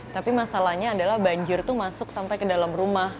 tapi masalahnya adalah banjir itu masuk sampai ke dalam rumah